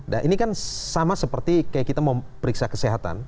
dan ini kan sama seperti kayak kita mau periksa kesehatan